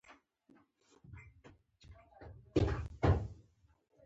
کله چې ډله لویه شي، نظم له منځه ځي.